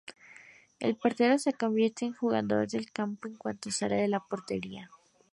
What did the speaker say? El portero se convierte en jugador de campo en cuanto sale de su portería.